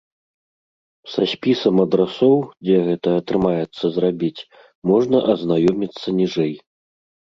Са спісам адрасоў, дзе гэта атрымаецца зрабіць, можна азнаёміцца ніжэй.